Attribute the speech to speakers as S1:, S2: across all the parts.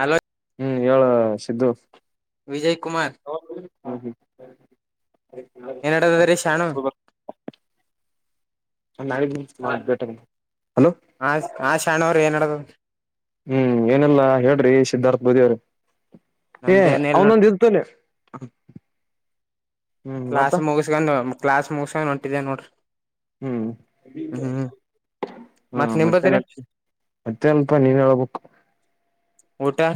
S1: Hello
S2: ಹ್ಮ್ ಹೇಳ ಸಿದ್ದು
S1: ವಿಜಯ್ ಕುಮಾರ್
S2: ಹ್ಮ ಹ್ಮ [unintelligible]
S1: ಏನಡದ ರೀ ಶಾನು [unintelligible]
S2: ನ ಹಲ [unintelligible]
S1: ಆ ಆ ಶಾಣವ್ರು ಏನ್ಡದು [unintelligible]
S2: ಹ್ಮ್ ಏನೆಲ್ಲಾ ಹೇಳ್ರಿ ಸಿದ್ಧಾರ್ಥ ಬೋದಿ ಅವ್ರೆ ಏ
S1: ನಮ್ದ ಏನ್ ಇಲ್ ನೋಡ್ರಿ
S2: ಅವನೊಂದ ತ್ತನೆ
S1: ಕ್ಲಾಸ್ ಮುಗಿಸಸ್ಕೊಂಡ ಕ್ಲಾಸ್ ಮುಗಸ್ಕೊಂಡು ಹೊಂಟಿದೆ ನೋಡ್ರಿ ಹ್ಮ್
S2: ಹ್ಮ
S1: ಮತ್
S2: ಮತ್ತೆ
S1: ನಿಂಬದ್ರಿ
S2: ನ ಮತ್ತೆನ್ಪ ನೀನ್ ಹೇಳ್ಬೇಕು
S1: ಊಟಾ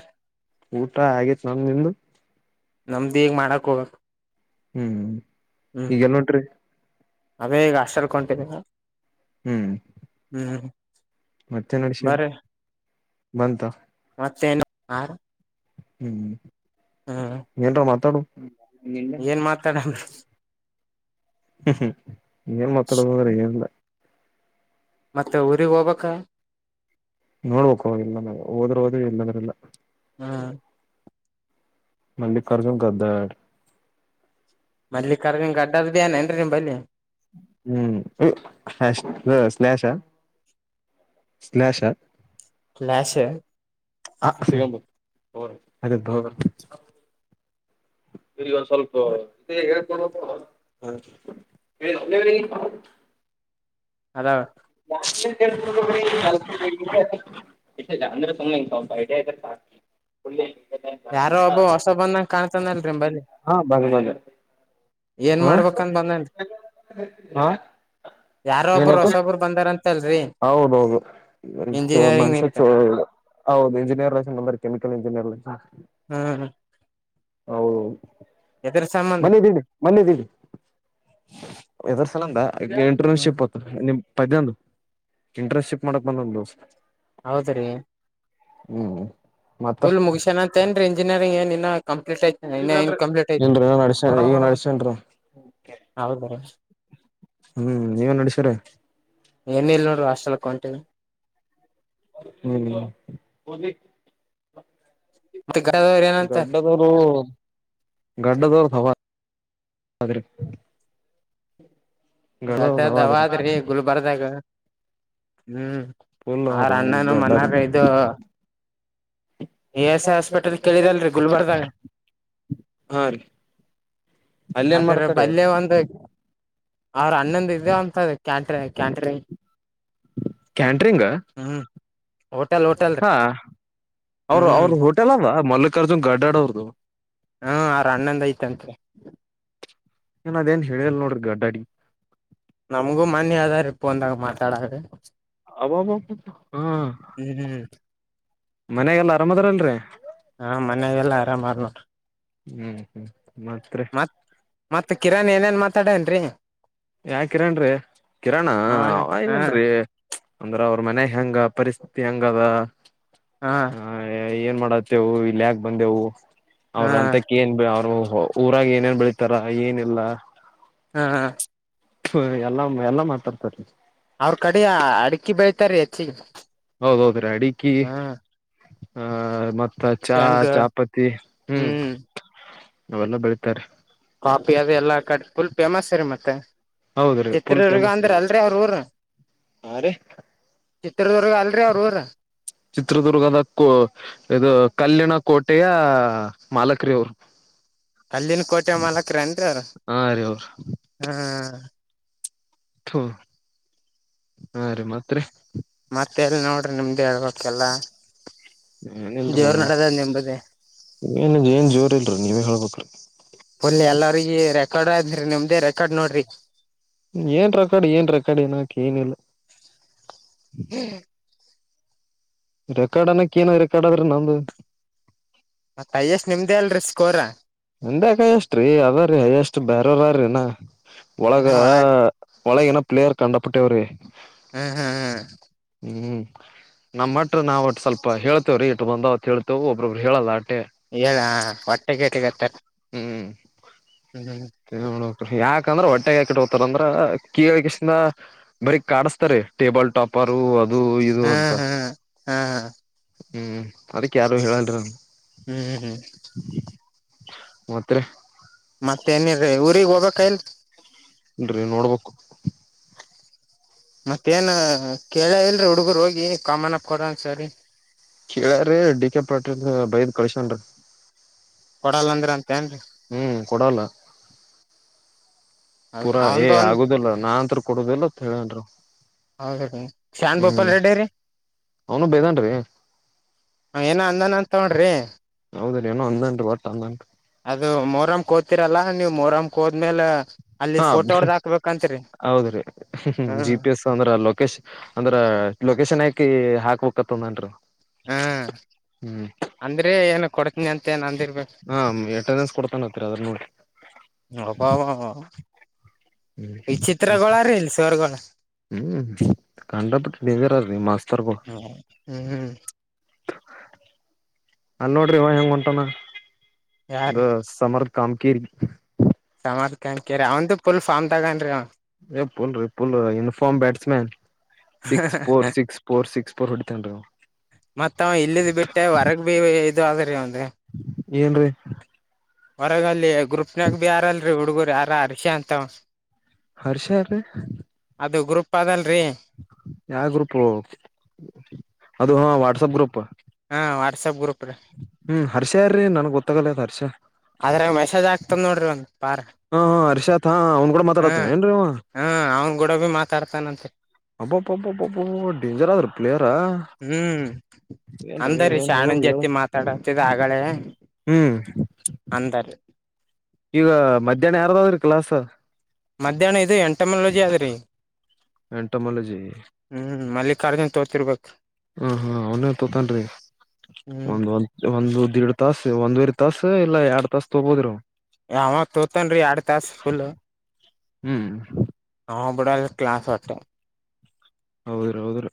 S2: ಊಟ ಆಗೇತಿ ನೋಡ್ ನಿಮ್ಮದು
S1: ನಮ್ದ್ ಇಗ್ ಮಾಡಕ್ ಹೋಗಬೇಕು
S2: ಹ್ಮ್
S1: ಹ್ಮ್
S2: ಈಗಲ್ ನೋಟ್ರಿ
S1: ಅದೇ ಈಗ ಹಾಸ್ಟೆಲ್ಗೊಂಟೀನಿ
S2: ಹ್ಮ್
S1: ಹ್ಮ್
S2: ಮತ್ತೆ ನಡ್ಸರಿ ಬಂತ
S1: ಮತ್ತೇನು ಆರು
S2: ಹ್ಮ್ ಏನ್ರ ಮಾತಾಡು
S1: ಏನ್ ಮಾತಾಡಣ
S2: ಹ್ಮ್ ಏನ್ ಮಾತಾಡದು ಅಂದ್ರೆ ಏನಿಲ್ಲ
S1: ಮತ್ತೆ ಊರಿಗ್ ಹೋಗ್ಬೇಕಾ
S2: ನೋಡ್ಬೇಕು ಇಲ್ಲಂದ ಹೋದ್ರ ಹೋದೆ ಇಲ್ಲಂದ್ರ ಇಲ್ಲ
S1: ಹ
S2: ಮಲ್ಲಿಕಾರ್ಜುನ್ ಗದ್ದ
S1: ಮಲ್ಲಿ ಕರ್ಗನ್ ಗಡ್ಡದ್ದೇಏೇನ್ರಿ ನಿಮ ಬಳಿ
S2: ಹ್ಮ್ ಹ ಸ್ಲಾಷ ಸ್ಲಾಷ
S1: ಸ್ಲಾಶ್ ಹ
S2: ಹ ಸಿಗಬ ಹ ಅ ಹೋಗ [unintelligible] ಇಗ ಒಂದ್ ಸ್ವಲ್ಪ ಹೇಲ್ತಾರಾತೋ ಹಾ ರಿ ಹ ಎ [unintelligible]
S1: ಹಲೋ
S2: ನಾ [unintelligible] ಇಟ್ಟಿದ ಅಂದ್ರೆ ಸುಮ್ನೆ ಇಂಗ್ ಸ್ವಲ್ಪ ಐಡಿಯಾ ಇದ್ರೆ ಸಾಕು ಒಳ್ಳೆ [unintelligible]
S1: ಯಾರೋ ಒಬ್ಬ ಹೊಸ ಬಂದಂಗ ಕಾಣ್ತಾನಲ್ರಿ ಬನ್ನಿ
S2: ಹಾ ಬಂದ ಬಂದ
S1: ಏನ್
S2: ಹ
S1: ಮಾಡ್ಬೇಕನ್ ಬಂದನ್
S2: ಹ
S1: ಯಾರ ಒಬ್ಬರು
S2: ಏನತ್ತು
S1: ಹೊಸೊಬ್ಬರು ಬಂದಾರ ಅಂತಲ್ರಿ
S2: ಹೌದೌದು ಚ ಮನುಷ್ಯ
S1: ನಿಂತ
S2: ಚ ಹೌದು ಇಂಜಿನಿಯರ್ ಲನ್ ಅಂದ್ರ ಕೆಮಿಕಲ್ ಇಂಜಿನಿಯರ್ ಲನ್
S1: ಹ್ಮ್
S2: ಹೌದೌದು
S1: ಎದ್ರ ಸಂಬಂಧ
S2: ಬಂದಿದ್ದೀನಿ. ಬಂದಿದ್ದೀವಿ ಎದರ ಸಲಂದ
S1: ಹ್ಮ್
S2: ಇಂಟರ್ನ್ಶಿಪ್ ನಿಮ್ ಪದ್ಯಂದು. ಇಂಟ್ರಶ್ಯಿಪ್ ಮಾಡಕ್ ಬಂದೊಂದು.
S1: ಹೌದುರೀ.
S2: ಹ್ಮ್ ಮತ್ತ
S1: ಪುಲ್ ಮುಗೀಶನ್ ಅಂತ ಏನ್ರಿ ಇಂಜಿನಿಯರಿಂಗ ಏನ್ ಇನ್ನ ಕಂಪ್ಲೀಟ್ ಐತ್
S2: ಇಲ್ರಿ ನೆಡ್ಸಾನ್ರಿ ಈಗ ನಡ್ಸನ್ರೀ.
S1: ಹೌದ್ರೀ
S2: ಹ್ಮ್ ನೀವೇನ್ ನೇಡೆಸಿರೀ.
S1: ಏನು ಇಲ್ ನೋಡ್ರಿ ಹಾಸ್ಟೆಲ್ಗ್ ಹೊಂಟೀನಿ.
S2: ಹ್ಮ್
S1: ಮತ್ತೇ [unintelligible] ಎನಂತ
S2: ಗಡ್ಡದವರದು ಹವಾ ಅದ್ರೀ.
S1: ಗಡ್ಡದವ ಅದ್ರಿ ಗುಲ್ಬರ್ದಾಗ ಹ್ಮ್. [unintelligible]
S2: ಫುಲ್
S1: ಅಣ್ಣನು
S2: ಗಡ್ಡದ
S1: ಮನಾಗ ಇದು. ಇ ಎಸ್ ಐ ಹಾಸ್ಪಿಟಲ್ ಕೇಳಿರಲ್ರಿ ಗುಲ್ಬರ್ದಾಗ.
S2: ಹಾ ರೀ ಅಲ್ಲಿ ಏನ್
S1: ಅದರ
S2: ಮಾಡ್ತಾರೆ
S1: ಬಲ್ಯ ಒಂದು. ಅವ್ರ ಅನ್ನೊಂದ ಇದು ಅಂತ ಕ್ಯಾಂಟ್ರಿ ಕ್ಯಾಂಟ್ರಿಂಗ್.
S2: ಕ್ಯಾಂಟ್ರಿಂಗ.
S1: ಹ್ಮ್ ಹೋಟೆಲ್ ಹೋಟೆಲ್ ರೀ
S2: ಹಾ ಅವರು
S1: ಹ್ಮ್
S2: ಅವ್ರು ಹೋಟೆಲ್ ಅದ ಮಲ್ಲಿಕಾರ್ಜುನ್ ಗಡ್ಡಾಡ್ ಅವ್ರುದು.
S1: ಹ್ಮ ಆವರಣ್ಣಂದ್ ಐತಂತ್ರಿ.
S2: ಏ ಅದೇನ್ ಹೇಳಲ್ ನೋಡ್ರೀ ಗಡ್ಡಡಿ.
S1: ನಮ್ಗೂ ಮನ್ನೀೇ ಅದ ರೀ ಪೋನಗ ಮಾತಾಡರೀ.
S2: ಅಬಬಬ ಹಾ
S1: ಹ್ಮ್ ಹ್ಮ
S2: ಮನ್ಯಾಗೆಲ್ಲ ಆರಾಮದರಲ್ರೀ.
S1: ಹಾ ಮನ್ಯಾಗೆಲ್ಲಾ ಆರಾಮ್ಅವ್ರ್ ನೊಡ್ರೀ.
S2: ಹ್ಮ್ ಹ್ಮ್ ಮತ್ರೀ.
S1: ಮತ್ತ್ ಕಿರಣ್ ಏನೇನ್ ಮಾತಾಡನ್ರೀ.
S2: ಯಾ ಕಿರಣ್ರೀ ಕಿರಣ
S1: ಅವನ
S2: ಅವ
S1: ಹಾ
S2: ಏನ್ರೀ ಅಂದ್ರ ಅವ್ರ ಮನೆ ಹೆಂಗ ಪರಿಸ್ಥಿತಿ ಹೆಂಗದ.
S1: ಹಾ
S2: ಹ ಏನ್ ಮಾಡತ್ತೇವು ಇಲ್ ಯಾಕ್ ಬಂದೆವು
S1: ಹಾ
S2: ಅವ್ರ ಅಂತ ಕೆ ಏನ್ ಬ್ ಅವ್ರು ಊರಾಗಿ ಏನೇನ್ ಬೆಳಿತಾರ ಏನಿಲ್ಲ.
S1: ಹ ಅ
S2: ತು ಎಲ್ಲಾಂ ಎಲ್ಲಾ ಮಾತಾಡ್ತಾರೀ.
S1: ಅವ್ರ ಕಡೆ ಅಡಕಿ ಬೆಳತಾರೀ ಹೆಚ್ಚಿಗೆ.
S2: ಹೌದೌದ್ರೀ ಅಡಿಕಿ
S1: ಹ್ಮ
S2: ಆ ಮತ್ತ್ ಚಾ
S1: ಹೆಂಗ
S2: ಚಾಪಾತಿ ಹ್ಮ್ ಅವೆಲ್ಲ ಬೆಳಿತಾರೀ.
S1: ಕಾಫಿ ಅದೆಲ್ಲ ಆಕಡಿ ಫುಲ್ ಫೇಮಸ್ ರೀ ಮತ್ತೆ.
S2: ಹೌದ್ರೀ ಫುಲ್
S1: ಚಿತ್ರದುರ್ಗ
S2: ಫೇಮಸ್ ರೀ
S1: ಅಂದ್ರ
S2: ಅವರು
S1: ಅಲ್ರೀ ಅವ್ರು ಊರ.
S2: ಹಾ ರೀ
S1: ಚಿತ್ರದುರ್ಗ ಅಲ್ರೀ ಅವ್ರ್ ಊರು.
S2: ಚಿತ್ರದುರ್ಗದ ಕೊ ಇದು ಕಲ್ಲಿನ ಕೋಟೆಯ ಮಾಲಕರು ಇವರು
S1: ಕಲ್ಲಿನ ಕೋಟೆ ಮಾಲಕರ ಏನ್ರೀ ಅವರು
S2: ಹಾ ರೀ ಅವ್ರ
S1: ಹ್ಮ
S2: ತು ಹಾ ರೀ ಮತ್ತರಿ
S1: ಮತ್ತೆ ಎಲ್ಲಿ ನೋಡ್ರಿ ನಿಮ್ದೇ ಹೇಳ್ಬೇಕಲ್ಲ
S2: ಏನಿಲ್ರೀ
S1: ದೇವ್ರ ನಡದ ನಿಂಬದೆ
S2: ಏನು ಏನ್ ಜೋರ್ ಇಲ್ರಿ ನೀವೇ ಹೇಳ್ಬೇಕ
S1: ಫುಲ್ ಎಲ್ಲರಿಗ ರೆಕಾರ್ಡ್ ಆದ್ರಿ ನಿಮ್ದೇ ರೆಕಾರ್ಡ್ ನೋಡ್ರಿ
S2: ಏನ್ ರೆಕಾರ್ಡ್ ಏನ್ ರೆಕಾರ್ಡ್ ಏನಕ್ ಏನಿಲ್ಲ
S1: ಹ್ಮ್
S2: ರೆಕಾರ್ಡ್ ಅನಕ್ಕ ಎನ ರೆಕಾರ್ಡ್ ಆದ್ರೆ ನಮ್ದು
S1: ಹೈಯ್ಯಷ್ಟ್ ನಿಮ್ದೇ ಅಲ್ರೀ ಸ್ಕೋರಾ
S2: ನಂದ್ಯಾಕ್ ಹೈಯೆಸ್ಟ್ ರಿ ಅದರ್ ರಿ ಹೈಯೆಸ್ಟ್ ಬೇರವರ್ರ ಅದರ ಇನ್ನ ಒಳಗ ಒಳಗ್ ಇನ್ನ ಪ್ಲೇಯರ್ ಕಂಡಪಟ್ಟವ್ರ ರಿ
S1: ಹ ಹ ಹ
S2: ಹ್ಮ್ ನಮ್ಮಟ ನಾವುಟ್ ಸ್ವಲ್ಪ ಹೇಳ್ತೇ ರೀ ಇಟ್ ಬಂದವತ್ ಹೇಳ್ತೇವ ಒಬ್ಬ್ರೊಬ್ರು ಹೇಳಲ್ಲ ಆಟೆ
S1: ಹೇಳ ಹೊಟ್ಟೆ ಗೇಟಿಗತ್ತ
S2: ಹ್ಮ್
S1: ಹ್ಮ ಹ್ಮ್
S2: ಏನ್ ಮಾಡಬೇಕ್ರಿ ಯಾಕಂದ್ರೆ ಹೊಟ್ಟೆಗಕ ಇಟಕೋತರ ಅಂದರ್ ಅಂದ್ರ ಕೆಳಕೆಸಿಂದ ಬರೀ ಕಾಡಿಸ್ತಾರೆ ಟೇಬಲ್ ಟಾಪರು ಅದು ಇದು
S1: ಹಾ
S2: ಅಂತ
S1: ಹಾ ಹಾ
S2: ಹ್ಮ್ ಅದಕ್ ಯಾರು ಹೇಳಲ್ರಿಿ
S1: ಹ್ಮ್ ಹ್ಮ್ ಹ್ಮ್
S2: ಮತ್ತ ರೀ
S1: ಮತ್ತ ಏನಿಲ್ ರಿ ಊರಿಗ್ ಹೋಗ್ಬೇಕ ಇಲ್
S2: ಇಲ್ರಿ ನೋಡ್ಬೇಕು
S1: ಮತ್ತೇನು ಕೇಳ ಇಲ್ರಿ ಹುಡ್ಗರು ಹೋಗಿ ಕಾಮನಪ್ ಕೊಡೆನ್ ಸರ್ ಗೆ
S2: ಕೇಳಾರ್ ರಿ ಡಿ. ಕೆ ಪಾಟೀಲ್ ಬೈದ್ ಕಳಸಿದರೆ
S1: ಕೊಡಲ್ಲ ಅಂದ್ರ ಅಂತ ಏನ್ರಿ
S2: ಹ್ಮ್ ಕೊಡಲ್ಲ
S1: ಹೌದ
S2: ಪೂರಾ ಏ
S1: ಅವಂದ ಒಂದ
S2: ಆಗುದಿಲ್ಲ ನಾನ್ಂತ ಕೊಡುದಿಲ್ಲತ್ ಹೇಳನ್ರು
S1: ಹೌದ ರೀ ಶಾನ್ ಭೂಪಾಲ್ ರೆಡ್ಡಿ ರೀ
S2: ಅವ್ನು ಬೇದನ್ರಿ
S1: ಅವ ಏನೋ ಅಂದನ ಅಂತ ನೋಡ್ರಿ
S2: ಹೌದ ರೀ ಏನೋ ಅಂದಂನ್ರೀ ಒಟ್ಟ ಅಂದಂನ್ರೀ
S1: ಅದು ಮೊಹರಂ ಕೋತಿೀರಲ್ಲಾ ನೀವ್ ಮೊಹರಂ ಹೋದ್ಮೇಲೆ
S2: ಹಾ ಹೌದ್ರೀ
S1: ಹ್ಮ್
S2: ಜಿ. ಪಿ. ಎಸ್ ಅಂದ್ರ ಲೊಕೇಶನ್ ಅಂದ್ರ ಲೊಕೇಶನ್ ಹಾಕಿ ಹಾಕ್ಬೇಕತ್ತಂದ್ ನೋಡ್ರಿ
S1: ಹ್ಮ ಅಂದ್ರೆ ಏನು ಕೊಡ್ತನಿ ಅಂತ ಏನ್ ಅಂದಿರ್ಬೇಕು
S2: ಹಾ ಎಟೆಂಡೆನ್ಸ್ ಕೊಡ್ತಾನ ಹತ್ತರಿ ಅದ್ರ ನೋಡಿ
S1: ಅಬ್ಬಬಾಬಾ
S2: ಹ್ಮ್
S1: ವಿಚಿತ್ರಗಳ ರೀ ಇಲ್ಲಿ ಸರ್ಗಳು
S2: ಹ್ಮ್ ಕಂಡಪಟ್ಟ ನಿಗರ ನೀ ಮಾಸ್ತರ್ಗ
S1: ಹ್ಮ್ ಹ್ಮ್
S2: ಅಲ್ಲಿ ನೋಡ್ರಿ ಅವ ಹೆಂಗ್ ಹೊಂಟನ
S1: ಯಾರ
S2: ಅ ಸಮರ್ ಕಾಮಕೇರಿ
S1: ಸಮಧ ಕಂಕೇರಿ ಅವ್ಂದು ಫುಲ್ ಫಾರ್ಮ್ ತಗನ್ ಅವ
S2: ಎ ಪುಲ್ ರೀ full uniform batsman. Six four six four six four ಹೊಡಿತನ್ ರೀ ಅವ್ನು.
S1: ಮತ್ತ ಇಲ್ಲದ್ ಬಿಟ್ಟೆ ಹೊರಗ್ ಬೀಬಿ ಇದು ಅದರೀ ಅವನ್ದು.
S2: ಏನ್ ರೀ
S1: ಹೊರಗಲ್ಲಿ ಗ್ರೂಪ್ನಾಗ ಭ ಯಾರಲ್ರೀ ಹುಡುಗರು ಯಾರ ಹರ್ಷಿ ಅಂತ ಅವ.
S2: ಹರ್ಷ ಯಾರ್ರೀ.
S1: ಅದು ಗ್ರೂಪ್ ಅದಲ್ರೀ
S2: ಯಾವ ಗ್ರೂಪು ಅದು ಹ ವಾಟ್ಸಪ್ ಗ್ರೂಪ್.
S1: ಹಾಂ ವಾಟ್ಸಪ್ ಗ್ರೂಪುರೀ.
S2: ಹ್ಮ್ ಹರ್ಷ ಯಾರ್ರೀ ನನ್ಗ್ ಗೊತ್ತಾಗಲತ್ ಹರ್ಷ.
S1: ಅದ್ರಾಗ ಮೆಸೇಜ್ ಆಗ್ತದೆ ನೋಡ್ರಿ ಒಂದ್ ಪಾರ್.
S2: ಹಾ ಹಾ ಹರ್ಷಾತ್ ಹಾ ಅವ್ನ್ ಕೂಡ
S1: ಹಾ
S2: ಮಾತಾಡಕತಾನ್ ಏನ್ರೀ ಅವ.
S1: ಹಾ ಅವ್ನ್ ಕೂಡ ಭೀ ಮಾತಾಡ್ತಾನಂತೆ.
S2: ಹಬ್ಬಬ್ಬಬ್ಬೊಬ್ಬೊ ಡೇಂಜರ್ ಆದ್ರಿ ಪ್ಲೇಯರಾ.
S1: ಹ್ಮ್ ಅಂದರಿ
S2: ಹೇಳ
S1: ಶ್ಯಾಣೆಂದ
S2: ಹೇಳ
S1: ಜತಿ ಮಾತಾಡತಿದ ಅಗಳೇ.
S2: ಹ್ಮ್
S1: ಅಂದರೀ
S2: ಈಗ ಮಧ್ಯಾಹ್ನ ಯಾರದಾದ್ರಿ ಕ್ಲಾಸು.
S1: ಮಧ್ಯಾಹ್ನ ಇದು ಎಂಟಮಾಲೋಜಿ ಅದರೀ.
S2: ಎಂಟಮಾಲಜಿ.
S1: ಹ್ಮ್ ಮಲ್ಲಿಕಾರ್ಜುನ್ ತೋತಿರ್ಬೇಕ್.
S2: ಹ ಹಾ ಅವನೇ ತೊತನ್ರಿ
S1: ಹ್ಮ್
S2: ಒಂದ್ ಒಂದ್. ಒಂದು ದೀಡ್ ತಾಸ್ ಒಂದುವರಿ ತಾಸು ಇಲ್ಲಾ ಎರಡ್ ತಾಸ್ ತಗೋಬೋದ್ರಿ ಅವನು.
S1: ಅವ ತೋತನ್ರಿ ಯಾರಡು ತಾಸ್ ಫುಲ್ಲು.
S2: ಹ್ಮ್
S1: ಹವಾ ಬಿಡಲ್ ಕ್ಲಾಸ್ ಹಟ್ಟೆ.
S2: ಹೌದ್ರಿ ಹೌದ್ರಿ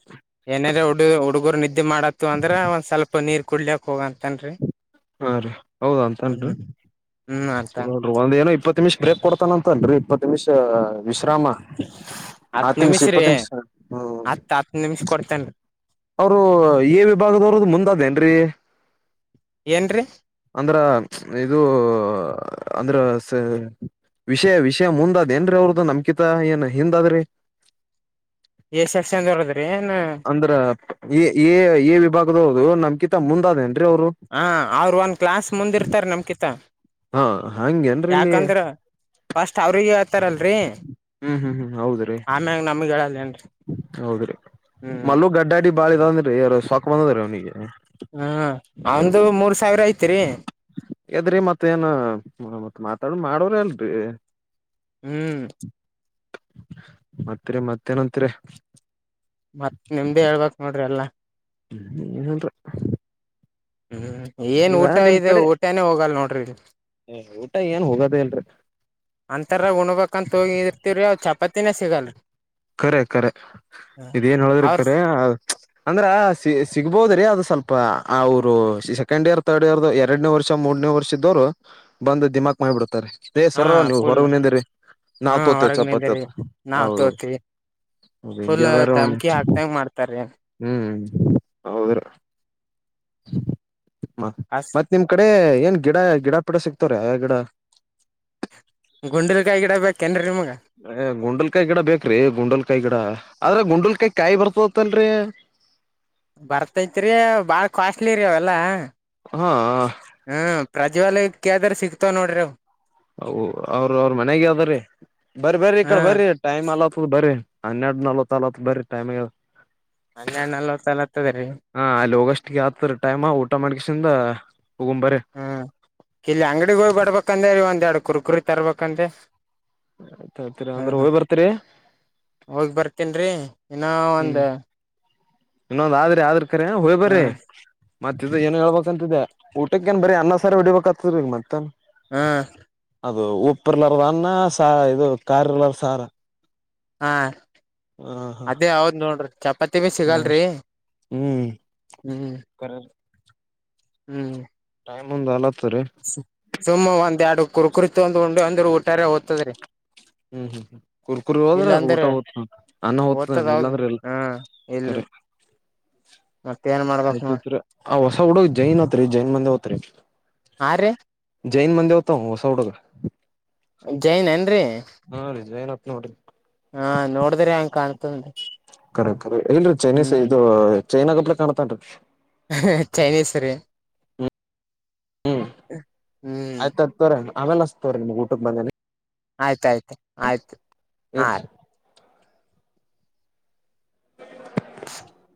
S1: ಏನೇರ ಹುಡು ಹುಡುಗರು ನಿದ್ದೆ ಮಾಡತ್ತು ಅಂದ್ರೆ ಒಂದ್ ಸ್ವಲ್ಪ ನೀರ್ ಕುಡ್ಲಕ್ ಹೋಗಂತನ್ರೀ.
S2: ಹಾ ರೀ ಹೌದಾ ಅಂತನ್ರಿ.
S1: ಹ್ಮ್ ಅಂತನ್
S2: ಒಂದ ಏನೋ ಇಪ್ಪತ್ತು ನಿಮಿಷ ಬ್ರೇಕ್ ಕೊಡ್ತಾನ ಅಂತ ಅಲ್ರೀ ಇಪ್ಪತ್ತು ನಿಮಿಷ. ವಿಶ್ರಾಮ
S1: ಹತ್
S2: ಹತ್ತು ನಿಮಿಷ
S1: ರೀ
S2: ಇಪ್ಪತ್ತು ನಿಮಿಷ ಹ್ಮ್.
S1: ಹತ್ ಹತ್ ನಿಮಿಷ ಕೊಡ್ತೇನ್ರಿ
S2: ಅವರು ಎ ವಿಭಾಗದವರದ ಮುಂದ ಅದೇನ್ರೀ.
S1: ಏನ್ರೀ
S2: ಅಂದ್ರ ಇದು ಅಂದ್ರ ಸೇ ವಿಷಯ ವಿಷಯ ಮುಂದಾದ್ ಏನ್ರೀ ಅವ್ರ್ದು ನಮ್ಕಿತಾ ಏನ್ ಹಿಂದಾದ್ರಿ.
S1: ಎ ಸೆಷನ್ ಧೋದ್ರಿ ಏನ.
S2: ಅಂದ್ರ ವಿ ಎ ಎ ವಿಭಾಗದೋರ್ದು ನಮ್ಕಿತ ಮುಂದಾದೇನ್ರೀ ಅವ್ರು.
S1: ಹಾ ಅವ್ರು ಒಂದ ಕ್ಲಾಸ್ ಮುಂದಿರ್ತಾರೆ ನಮ್ ಕಿತ್ತ.
S2: ಹಾ ಹಂಗೇನ್ರೀ ಇಲ್ಲಿ.
S1: ಫಸ್ಟ್ ಅವ್ರಿಗೆ ಹೇಳ್ತಾರಲ್ರರಿ
S2: ಹ್ಮ್ ಹ್ಮ್ ಹ್ಮ್ ಹೌದ್ರಿ
S1: ಆಮ್ಯಾಗ ನಮಗ ಹೇಳಲ್ಲೇ ಏನ್ರಿ.
S2: ಹೌದ್ರಿ ಮಲ್ಲು ಗಡ್ಡಾಡಿ ಬಾಳ ಇದಂದ್ರೀ ಸೊಕ ಬಂದದ್ರೀ ಅವ್ನಿಗೆ.
S1: ಹ ಅವ್ನಂದು ಮೂರ್ ಸಾವಿರ ಐತ್ರಿ.
S2: ಎದ್ರಿ ಮತ್ತೇ ಏನು ಮತ್ ಮಾತಾಡ ಮಾಡೋರ ಅಲ್ರೀ.
S1: ಹ್ಮ್
S2: ಮತ್ರಿ ಮತ್ತೇನಂತಿರೀ.
S1: ಮತ್ ನಿಮ್ದೇ ಹೇಳ್ಬೇಕ್ ನೋಡ್ರಿ ಎಲ್ಲಾ.
S2: ಹ್ಮ ಏನಂದ್ರ
S1: ಹ್ಮ್ ಏನ್ ಊಟ ಇದು ಊಟಾನೇ ಹೋಗಲ್ ನೋಡ್ರಿ ಇದು.
S2: ಹ ಊಟ ಏನ್ ಹೋಗೋದೇ ಇಲ್ರಿ.
S1: ಅಂತರ ಉಣ್ಬಕಂತೋಗಿ ಇರ್ತಿವ್ರೀ ಅಲ್ ಚಪಾತಿನೇ ಸಿಗಲ್ಲ.
S2: ಖರೆ ಕಖರೆ ಇದೇನ್ ಹೇಳದ್ರ
S1: ಅವ್ರ
S2: ಖರೆ. ಅಂದ್ರ ಸಿಗ್ಬೋದ್ರೀ ಅದು ಸ್ವಲ್ಪ ಅವರು ಸೆಕೆಂಡ್ ಇಯರ್ ಥರ್ಡ್ ಇಯರ್ದು ಎರಡನೇ ವರ್ಷ ಮೂರ್ನೇ ವರ್ಷದ್ ದ್ದೋರು ಬಂದು ದಿಮಾಕ್ ಮಾಡಿಬಿಡ್ತಾರೆ. ದೇ
S1: ಹಾ
S2: ಸರು ನೀವು
S1: ಫುಲ್
S2: ಹೊರಗಿನಿಂದ್ರಿ
S1: ಹಾ ಹೊರಗ್
S2: [unintelligible]
S1: ನಿಂದಿರಿ ನಾವ್
S2: ಹೌದು.
S1: ತೋತಿವಿ
S2: ಹೌದು
S1: ಫುಲ್
S2: ಹಿಂಗೆ ಅದಾರ
S1: ಧಮ್ಕಿ
S2: ಒಂದಿಟ್
S1: ಹಾಕ್ತಂಗ ಮಾಡ್ತಾರ್ರಿ.
S2: ಹ್ಮ್ ಹೌದ್ರ ಮತ್
S1: ಆಸ್
S2: ಮತ್ ನಿಮ್ ಕಡೆ ಏನ್ ಗಿಡ ಗಿಡ ಪಿಡ ಸಿಕ್ತವ್ರ ಆ ಗಿಡ.
S1: ಗುಂಡುಲ್ಕಾಯ್ ಗಿಡ ಬೇಕೇನ್ರಿ ನಿಮಗ.
S2: ಏ ಗುಂಡಲ್ಕಾಯಿ ಗಿಡ ಬೇಕ್ರಿ ಗುಂಡಲ್ಕಾಯಿ ಗಿಡ ಆದ್ರೆ ಗುಂಡಲ್ಕಾಯಿ ಕಾಯಿ ಬರ್ತವತ್ತಲ್ರರಿ.
S1: ಬರ್ತೈತ್ರಿ ಬಾಳ ಕಾಸ್ಟ್ಲಿ ರೀ ಅವೆಲ್ಲಾ.
S2: ಹಾ
S1: ಹ್ಮ ಪ್ರಜ್ವಾಲಯಕ್ಕೇಳ್ದ್ರ ಸಿಗ್ತಾವ ನೋಡ್ರಿ ಅವು.
S2: ಅವ್ರು ಅವ್ರ ಮನೆಗೆ ಯಾದರ್ರೀ ಬರ ಬರ್ರಿ ಈ
S1: ಹಾ
S2: ಕಡೆ ಬರ್ರಿ. ಟೈಮ್ ಅಲತ್ತು ಬರ್ರಿ ಹನ್ನೆರಡ್ ನಲ್ವತ್ ಅಲತ್ ಬರಿ ಟೈಮ್ಗೆ.
S1: ಹನ್ನೆರಡ್ ನಲ್ವತ್ತಲಹತ್ತದೆ ರೀ.
S2: ಹಾ ಅಲ್ಲಿ ಹೋಗಸ್ಟ್ಗೆ ಆತರ ಟೈಮ ಊಟ ಮಾಡ್ಗಸಿಂದ ಹೋಗ್ಂಬರಿ.
S1: ಹ್ಮ್ ಇಲ್ಲಿ ಅಂಗಡಿಗೋಬಡ್ಬೇಕಂದ ರೀ ಒಂದ್ ಎರಡು ಕುರ್ಕುರಿ ತರ್ಬೇಕಂದೆ.
S2: ಆಯ್ತ ಆಯ್ತರಿ ಅಂದ್ರೆ ಹೋಗಿ ಬರ್ತೀರಿ.
S1: ಹೋಗಿ ಬರ್ತೇನ್ ರೀ ಇನ್ನಾ
S2: ಹ್ಮ್
S1: ಒಂದ್
S2: ಇನ್ನೊಂದ್ ಆದ್ರಿ ಆದ್ರ ಕರೆ ಹೋಗ್ ಬರ್ರಿ.
S1: ಹ್ಮ್
S2: ಮತ್ತ ಏನ್ ಹೇಳ್ಬೇಕ್ ಅಂತಿದೆ ಊಟಕ್ಕೇನ್ ಬರಿ ಅನ್ನ ಸರ ಹೊಡಿಬೇಕಾತದರೀಗ ಮತ್ತ.
S1: ಹಾ.
S2: ಅದು ಉಪ್ಪಿರ್ಲಾರ್ದನ್ನ ಸ ಇದು ಕಾರ್ಇಲ್ಲಾಸಾರ.
S1: ಹಾ
S2: ಹಾ
S1: ಅದೇ ಹೌದ್ ನೋಡ್ರಿ ಚಪಾತಿ ವೆ ಸಿಗಲ್ರಿ.
S2: ಹ್ಮ್
S1: ಹ್ಮ್.
S2: [unintelligible]
S1: ಹ್ಮ್.
S2: ಟೈಮ್ ಒಂದ್ ಆಲತ್ತ ರೀ.
S1: ಸು ಸುಮ್ಮೆ ಒಂದೆರಡು ಕುರ್ಕುರೆ ತೋಂದು ಉಂಡೆ ಅಂದ್ರ ಊಟಾರೆ ಹೊತದ್ರಿ.
S2: ಹ್ಮ್ ಹ್ಮ್ ಹ್ಮ್ ಕುರ್ಕುರ್ ಹೋದ್ರೆ
S1: ಇಲ್ಲಾಂದ್ರ
S2: ಊಟ ಹೊದ್ತ ಅನ್ನ ಹೊದ್ತ ಇಲ್ಲಾಂದ್ರೆ ಇಲ್ಲಾ.
S1: ಇಲ್ರ. ನೋಡ್ರಿ
S2: [unintelligible] ಆ ಹೊಸ ಹುಡು ಜೈನಂತ್ರಿ ಜೈನ್ ಮಂದಿ ಹೊತ್ರಿ.
S1: ಹಾ ರೀ.
S2: ಜೈನ್ ಮಂದಿ ಹೊತವ್ ಹೊಸ ಹುಡುಗ.
S1: ಜೈನೇನ್ರಿ.
S2: ಹಾ ರಿ ಜೖನಂತ್ ನೋಡ್ರಿ.
S1: ಹಾ ನೋಡದ್ರಿ ಹಂಗ ಕಾಣ್ತದಾನ್.
S2: ಕರೆಕ್ಟ್ ಕರೆಕ್ಟ್ ಇಲ್ರರಿ ಚೈನೀಸ್ ಇದು ಚೈನಾಗಪ್ಲ ಕಾಣ್ತಾನ್ರೀ.
S1: ಹೇ ಚೈನೀಸ್ ರೀ ಹ್ಮ್.
S2: ಸರ್ ಆಮೇಲೆ ಹಸ್ತನ ತೊರಿ ನಿಮ್ಮ ಊಟಕ ಬಂದೆನ
S1: ಆಯ್ತಾಯ್ತು ಆಯ್ತು ಹಾ
S2: ಎಡ್
S1: [inaudible]